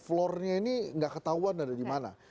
floor nya ini gak ketahuan ada di mana